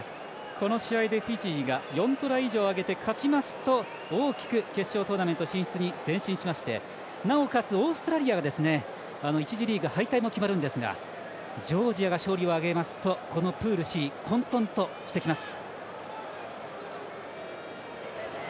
この試合でフィジーが４トライ以上挙げて勝ちますと大きく決勝トーナメント進出に前進しましてなおかつオーストラリアが１次リーグ敗退も決まるんですがジョージアが勝利を挙げますとこのプールＣ混とんとしてきます。